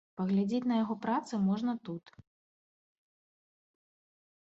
Паглядзець на яго працы можна тут.